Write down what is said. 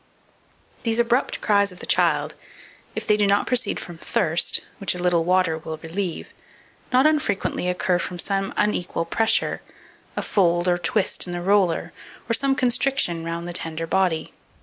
2483. These abrupt cries of the child, if they do not proceed from thirst, which a little water will relieve, not unfrequently occur from some unequal pressure, a fold or twist in the "roller," or some constriction round the tender body.